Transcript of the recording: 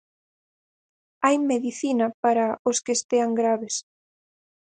Hai medicina para os que estean graves.